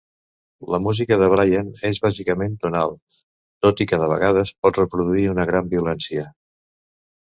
La música de Brian és bàsicament tonal, tot i que de vegades pot reproduir una gran violència.